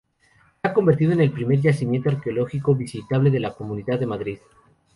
Se ha convertido en el primer yacimiento arqueológico visitable de la Comunidad de Madrid.